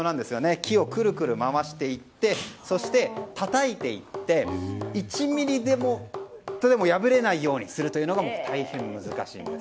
木をくるくる回していってそして、たたいていって１ｍｍも破れないようにするというのが大変難しいんです。